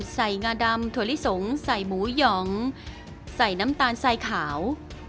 งาดำถั่วลิสงใส่หมูหยองใส่น้ำตาลสายขาว